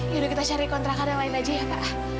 yaudah kita cari kontrakan yang lain aja ya pak